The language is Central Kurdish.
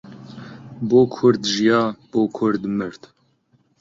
بۆ کورد ژیا، بۆ کورد مرد